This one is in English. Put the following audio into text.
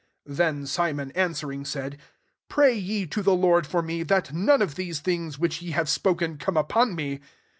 24 Then Simon ering, said, " Pray ye to i the Lord for me, that none of these things which ye have spoken come upon me."